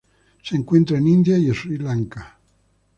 Se encuentran en India y Sri Lanka.